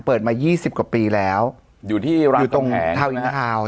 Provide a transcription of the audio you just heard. เปิดมายี่สิบกว่าปีแล้วอยู่ที่ร้านอยู่ตรงทาวนอินทาวน์